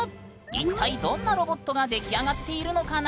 一体どんなロボットが出来上がっているのかな？